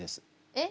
えっ？